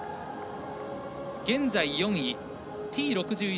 現在４位、Ｔ６１。